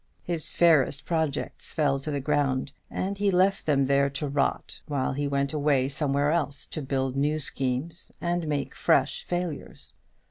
His fairest projects fell to the ground, and he left them there to rot; while he went away somewhere else to build new schemes and make fresh failures.